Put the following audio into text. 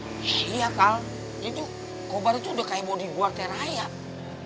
jadi kobar itu udah kayak bodi gue waktu raya